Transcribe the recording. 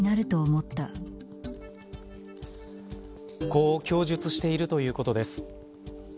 こう供述しているということです。